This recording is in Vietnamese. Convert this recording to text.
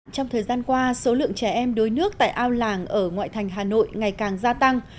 trong thời gian qua số lượng trẻ em đuối nước tại ao làng ở ngoại thành hà nội ngày càng gia tăng